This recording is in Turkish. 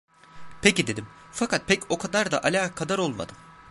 Peki dedim, fakat pek o kadar da alakadar olmadım.